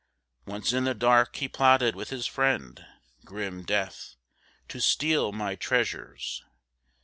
Once in the dark he plotted with his friend Grim Death, to steal my treasures.